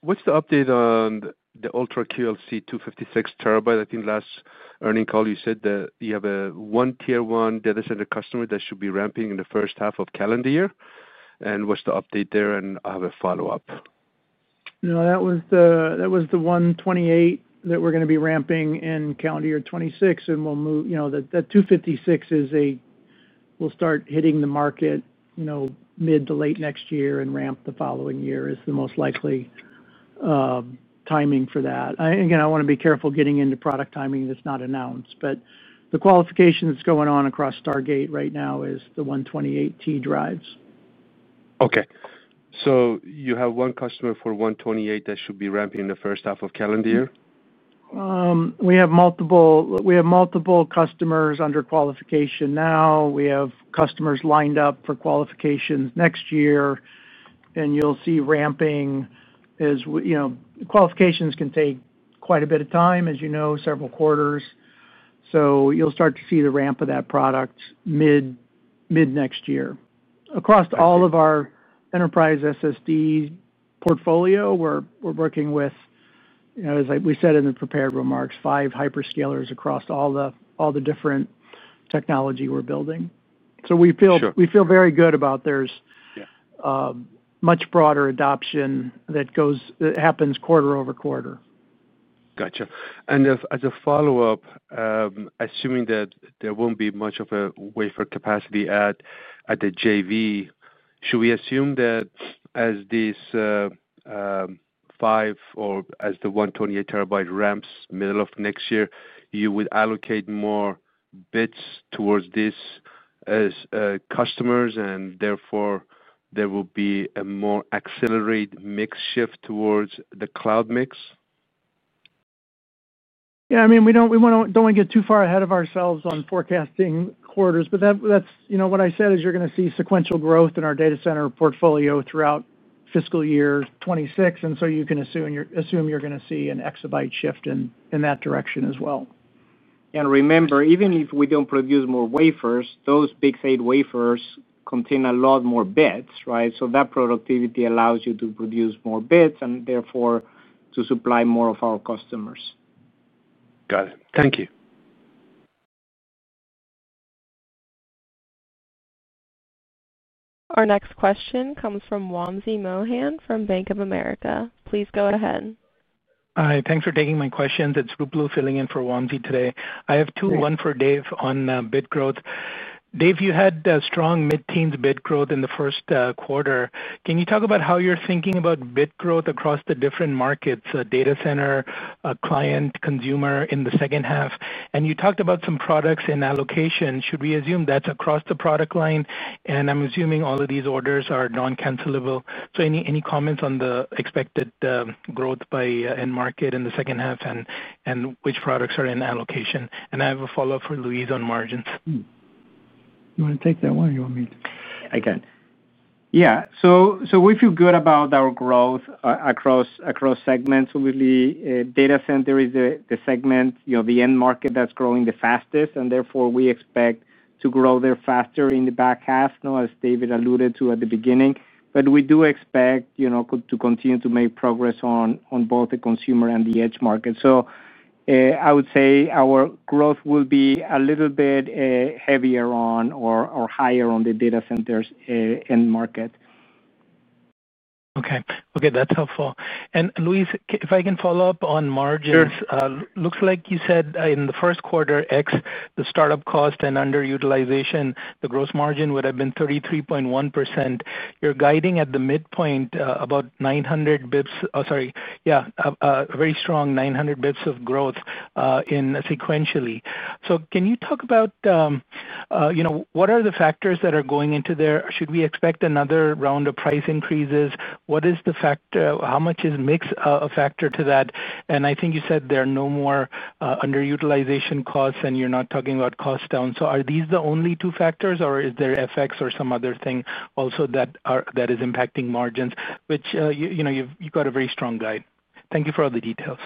[SPEAKER 11] What's the update on the UltraQLC 256 TB? I think last earnings call, you said that you have a tier one data center customer that should be ramping in the first half of calendar year. What's the update there? I have a follow-up.
[SPEAKER 3] No, that was the 128 that we're going to be ramping in calendar year 2026. We will move that 256 is, we will start hitting the market mid to late next year and ramp the following year is the most likely timing for that. Again, I want to be careful getting into product timing that's not announced. The qualifications going on across Stargate right now is the 128T drives.
[SPEAKER 11] Okay. So you have one customer for 128 that should be ramping in the first half of calendar year?
[SPEAKER 3] We have multiple. We have multiple customers under qualification now. We have customers lined up for qualifications next year. You'll see ramping as qualifications can take quite a bit of time, as you know, several quarters. You'll start to see the ramp of that product mid-next year. Across all of our enterprise SSD portfolio, we're working with, as we said in the prepared remarks, five hyperscalers across all the different technology we're building. We feel very good about there's. Much broader adoption that happens quarter over quarter.
[SPEAKER 11] Gotcha. As a follow-up, assuming that there will not be much of a wafer capacity at the JV, should we assume that as these five or as the 128 TB ramps middle of next year, you would allocate more bits towards this customers and therefore there will be a more accelerated mix shift towards the cloud mix?
[SPEAKER 3] Yeah. I mean, we do not want to get too far ahead of ourselves on forecasting quarters. What I said is you are going to see sequential growth in our data center portfolio throughout fiscal year 2026. You can assume you are going to see an exabyte shift in that direction as well.
[SPEAKER 4] Remember, even if we do not produce more wafers, those BiCS8 wafers contain a lot more bits, right? That productivity allows you to produce more bits and therefore to supply more of our customers.
[SPEAKER 11] Got it. Thank you.
[SPEAKER 1] Our next question comes from Wamsi Mohan from Bank of America. Please go ahead.
[SPEAKER 12] Hi. Thanks for taking my questions. It's Ruplu filling in for Wamsi today. I have two, one for Dave on bid growth. Dave, you had strong mid-teens bid growth in the first quarter. Can you talk about how you're thinking about bid growth across the different markets, data center, client, consumer in the second half? You talked about some products in allocation. Should we assume that's across the product line? I'm assuming all of these orders are non-cancellable. Any comments on the expected growth by end market in the second half and which products are in allocation? I have a follow-up for Luis on margins.
[SPEAKER 3] You want to take that one or you want me to?
[SPEAKER 4] I can. Yeah. So we feel good about our growth across segments. Obviously, data center is the segment, the end market that's growing the fastest. Therefore, we expect to grow there faster in the back half, as David alluded to at the beginning. We do expect to continue to make progress on both the consumer and the edge market. I would say our growth will be a little bit heavier on or higher on the data center end market.
[SPEAKER 12] Okay. Okay. That's helpful. And Luis, if I can follow up on margins, looks like you said in the first quarter, excluding the startup cost and underutilization, the gross margin would have been 33.1%. You're guiding at the midpoint about 900 basis points—oh, sorry. Yeah. Very strong 900 basis points of growth sequentially. Can you talk about what are the factors that are going into there? Should we expect another round of price increases? What is the factor? How much is mix a factor to that? I think you said there are no more underutilization costs and you're not talking about cost down. Are these the only two factors, or is there FX or some other thing also that is impacting margins? You have a very strong guide. Thank you for all the details.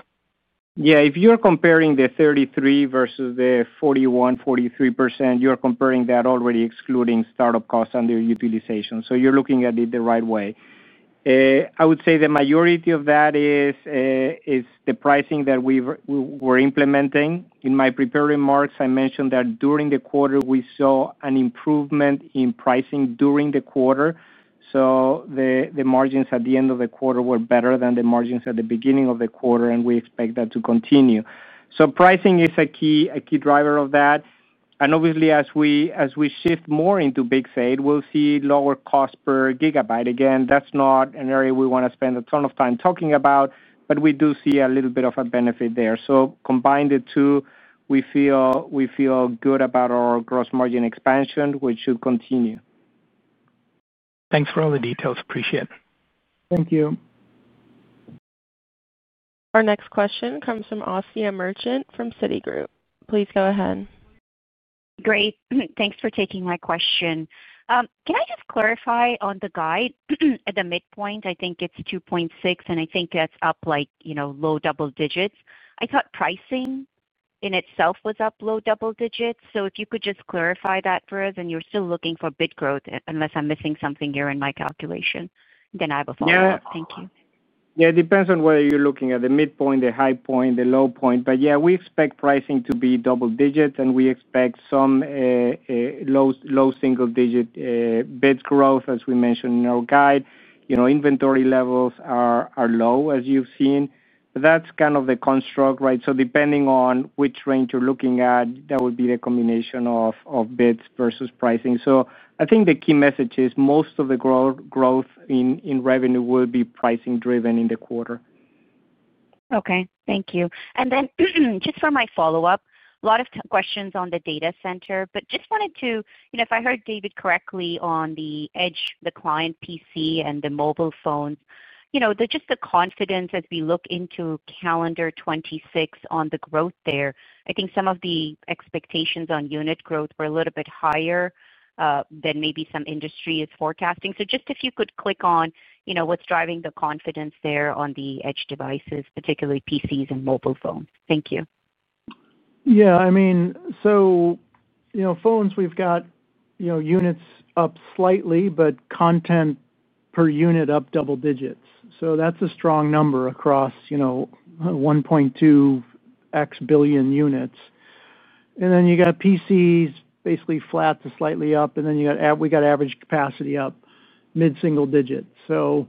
[SPEAKER 4] Yeah. If you're comparing the 33% vs the 41%-43%, you're comparing that already excluding startup costs underutilization. You're looking at it the right way. I would say the majority of that is the pricing that we were implementing. In my prepared remarks, I mentioned that during the quarter, we saw an improvement in pricing during the quarter. The margins at the end of the quarter were better than the margins at the beginning of the quarter, and we expect that to continue. Pricing is a key driver of that. Obviously, as we shift more into Big Sage, we'll see lower cost per gigabyte. Again, that's not an area we want to spend a ton of time talking about, but we do see a little bit of a benefit there. Combined, the two, we feel good about our gross margin expansion, which should continue.
[SPEAKER 12] Thanks for all the details. Appreciate it.
[SPEAKER 3] Thank you.
[SPEAKER 1] Our next question comes from Asiya Merchant from Citigroup. Please go ahead.
[SPEAKER 13] Great. Thanks for taking my question. Can I just clarify on the guide at the midpoint? I think it's $2.6, and I think that's up low-double-digits. I thought pricing in itself was up low-double-digits. If you could just clarify that for us, and you're still looking for bit growth unless I'm missing something here in my calculation, then I have a follow-up. Thank you.
[SPEAKER 4] Yeah. It depends on whether you're looking at the midpoint, the high point, the low point. Yeah, we expect pricing to be double digits, and we expect some low-single-digit bid growth, as we mentioned in our guide. Inventory levels are low, as you've seen. That's kind of the construct, right? Depending on which range you're looking at, that would be the combination of bids versus pricing. I think the key message is most of the growth in revenue will be pricing-driven in the quarter.
[SPEAKER 13] Okay. Thank you. Just for my follow-up, a lot of questions on the data center, but just wanted to—if I heard David correctly on the edge, the client PC and the mobile phones, just the confidence as we look into calendar 2026 on the growth there, I think some of the expectations on unit growth were a little bit higher than maybe some industry is forecasting. Just if you could click on what's driving the confidence there on the edge devices, particularly PCs and mobile phones. Thank you.
[SPEAKER 3] Yeah. I mean, so. Phones, we've got units up slightly, but content per unit up double-digits. So that's a strong number across 1.2x billion units. And then you got PCs basically flat to slightly up, and then we got average capacity up mid-single-digits. You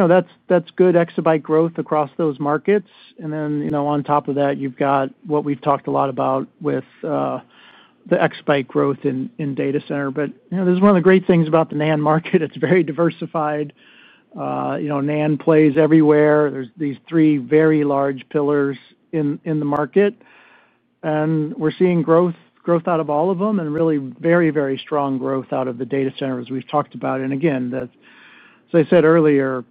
[SPEAKER 3] have—that's good exabyte growth across those markets. On top of that, you've got what we've talked a lot about with the exabyte growth in data center. This is one of the great things about the NAND market. It's very diversified. NAND plays everywhere. There are these three very large pillars in the market. We're seeing growth out of all of them and really very, very strong growth out of the data center, as we've talked about. As I said earlier,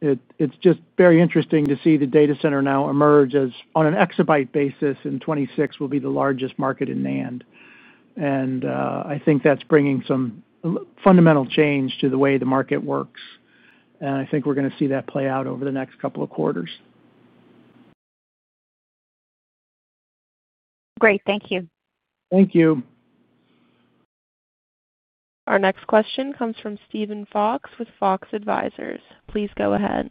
[SPEAKER 3] it's just very interesting to see the data center now emerge as, on an exabyte basis, in 2026 will be the largest market in NAND. I think that's bringing some fundamental change to the way the market works. I think we're going to see that play out over the next couple of quarters.
[SPEAKER 13] Great. Thank you.
[SPEAKER 3] Thank you.
[SPEAKER 1] Our next question comes from Steven Fox with Fox Advisors. Please go ahead.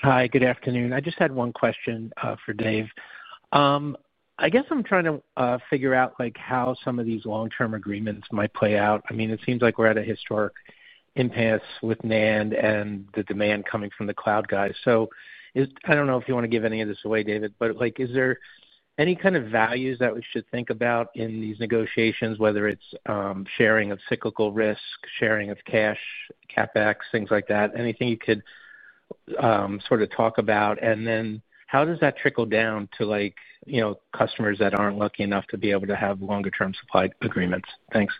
[SPEAKER 14] Hi. Good afternoon. I just had one question for Dave. I guess I'm trying to figure out how some of these long-term agreements might play out. I mean, it seems like we're at a historic impasse with NAND and the demand coming from the cloud guys. I don't know if you want to give any of this away, David, but is there any kind of values that we should think about in these negotiations, whether it's sharing of cyclical risk, sharing of cash, CapEx, things like that? Anything you could sort of talk about? How does that trickle down to customers that aren't lucky enough to be able to have longer-term supply agreements? Thanks.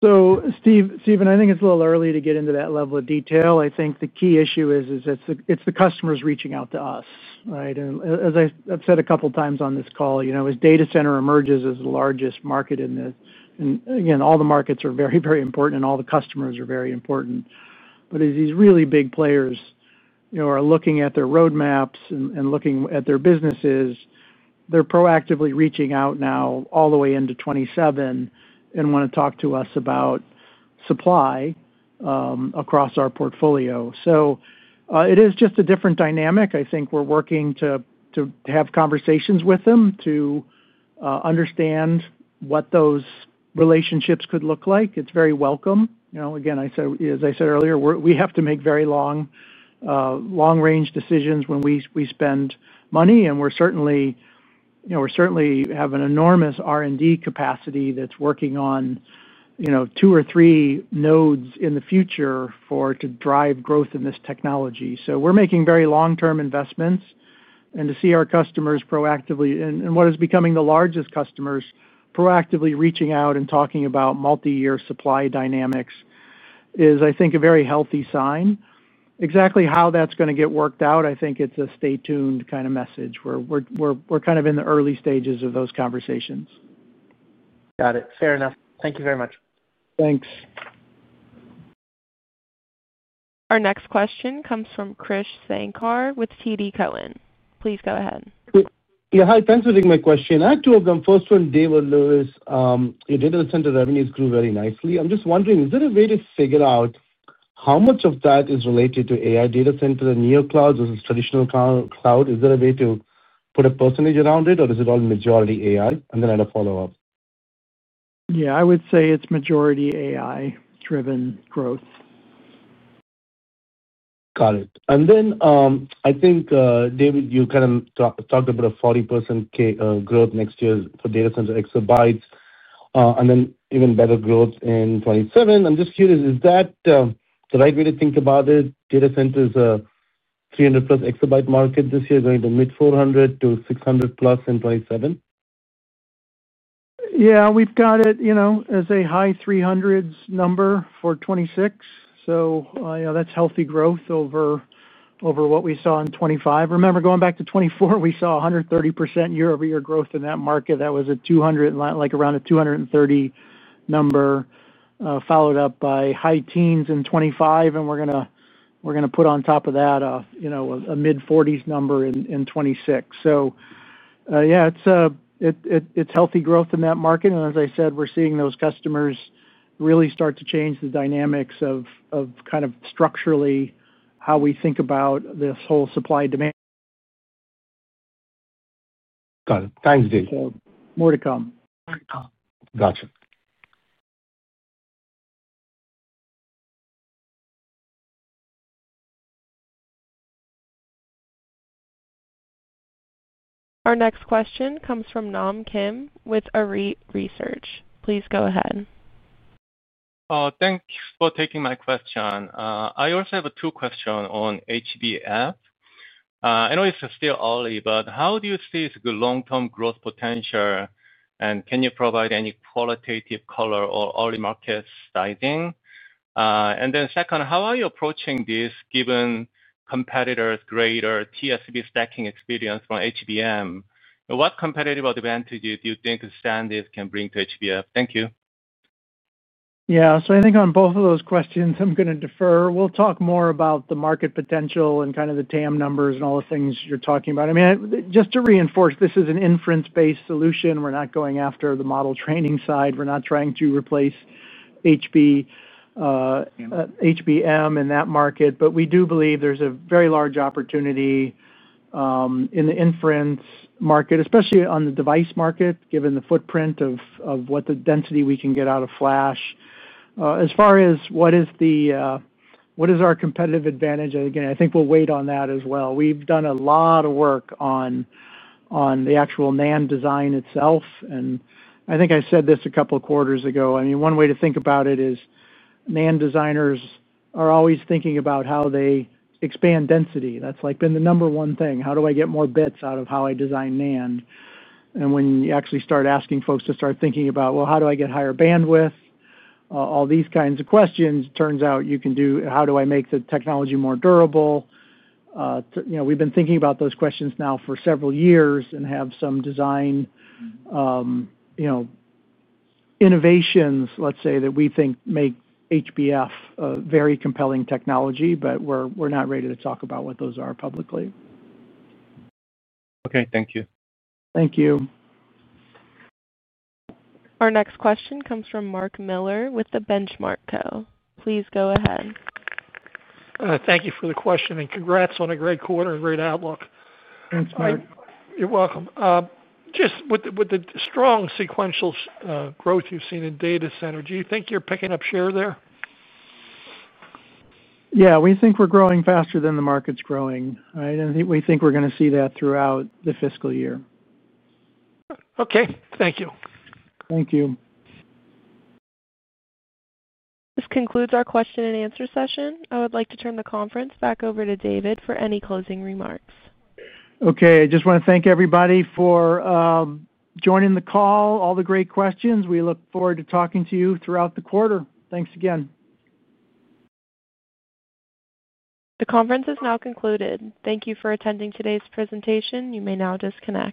[SPEAKER 3] Steven, I think it's a little early to get into that level of detail. I think the key issue is it's the customers reaching out to us, right? As I've said a couple of times on this call, as data center emerges as the largest market in this, and again, all the markets are very, very important and all the customers are very important. As these really big players are looking at their roadmaps and looking at their businesses, they're proactively reaching out now all the way into 2027 and want to talk to us about supply across our portfolio. It is just a different dynamic. I think we're working to have conversations with them to understand what those relationships could look like. It's very welcome. Again, as I said earlier, we have to make very long-range decisions when we spend money. We're certainly. Have an enormous R&D capacity that's working on two or three nodes in the future to drive growth in this technology. We are making very long-term investments. To see our customers proactively—and what is becoming the largest customers—proactively reaching out and talking about multi-year supply dynamics is, I think, a very healthy sign. Exactly how that's going to get worked out, I think it's a stay-tuned kind of message. We are kind of in the early stages of those conversations.
[SPEAKER 14] Got it. Fair enough. Thank you very much.
[SPEAKER 3] Thanks.
[SPEAKER 1] Our next question comes from Krish Sankar with TD Cowen. Please go ahead.
[SPEAKER 15] Yeah. Hi. Thanks for taking my question. I have two of them. First one, Dave or Luis, your data center revenues grew very nicely. I'm just wondering, is there a way to figure out how much of that is related to AI data center and Neocloud versus traditional cloud? Is there a way to put a percentage around it, or is it all majority AI? I have a follow-up.
[SPEAKER 3] Yeah. I would say it's majority AI-driven growth.
[SPEAKER 15] Got it. And then I think, David, you kind of talked about a 40% growth next year for data center exabytes and then even better growth in 2027. I'm just curious, is that the right way to think about it? Data center is a 300+ exabyte market this year, going to mid 400-600+ in 2027?
[SPEAKER 3] Yeah. We've got it as a high 300s number for 2026. That's healthy growth over what we saw in 2025. Remember, going back to 2024, we saw 130% year-over-year growth in that market. That was around a 230 number. Followed up by high teens in 2025, and we're going to put on top of that a mid-40s number in 2026. Yeah. It's healthy growth in that market. As I said, we're seeing those customers really start to change the dynamics of kind of structurally how we think about this whole supply-demand.
[SPEAKER 15] Got it. Thanks, Dave.
[SPEAKER 3] More to come.
[SPEAKER 15] Gotcha.
[SPEAKER 1] Our next question comes from Nam Kim with Arete Research. Please go ahead.
[SPEAKER 16] Thanks for taking my question. I also have two questions on HBF. I know it's still early, but how do you see its long-term growth potential? Can you provide any qualitative color or early market sizing? Second, how are you approaching this given competitors' greater TSV stacking experience from HBM? What competitive advantage do you think the Sandisk can bring to HBF? Thank you.
[SPEAKER 3] Yeah. So I think on both of those questions, I'm going to defer. We'll talk more about the market potential and kind of the TAM numbers and all the things you're talking about. I mean, just to reinforce, this is an inference-based solution. We're not going after the model training side. We're not trying to replace HBM in that market. I do believe there's a very large opportunity. In the inference market, especially on the device market, given the footprint of what the density we can get out of Flash. As far as what is our competitive advantage, again, I think we'll wait on that as well. We've done a lot of work on the actual NAND design itself. I think I said this a couple of quarters ago. I mean, one way to think about it is NAND designers are always thinking about how they expand density. That's been the number one thing. How do I get more bits out of how I design NAND? When you actually start asking folks to start thinking about, "Well, how do I get higher bandwidth?" All these kinds of questions, turns out you can do, "How do I make the technology more durable?" We've been thinking about those questions now for several years and have some design innovations, let's say, that we think make HBF a very compelling technology, but we're not ready to talk about what those are publicly.
[SPEAKER 16] Okay. Thank you.
[SPEAKER 3] Thank you.
[SPEAKER 1] Our next question comes from Mark Miller with the Benchmark Co. Please go ahead.
[SPEAKER 17] Thank you for the question, and congrats on a great quarter and great outlook.
[SPEAKER 3] Thanks, Mark.
[SPEAKER 17] You're welcome. Just with the strong sequential growth you've seen in data center, do you think you're picking up share there?
[SPEAKER 3] Yeah. We think we're growing faster than the market's growing, right? We think we're going to see that throughout the fiscal year.
[SPEAKER 17] Okay. Thank you.
[SPEAKER 3] Thank you.
[SPEAKER 1] This concludes our question-and-answer session. I would like to turn the conference back over to David for any closing remarks.
[SPEAKER 3] Okay. I just want to thank everybody for joining the call, all the great questions. We look forward to talking to you throughout the quarter. Thanks again.
[SPEAKER 1] The conference is now concluded. Thank you for attending today's presentation. You may now disconnect.